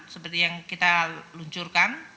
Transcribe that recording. seperti yang kita luncurkan